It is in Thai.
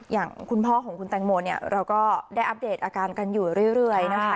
อย่างคุณพ่อของคุณแตงโมเนี่ยเราก็ได้อัปเดตอาการกันอยู่เรื่อยนะคะ